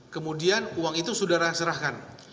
kemudian uang itu sudah diserahkan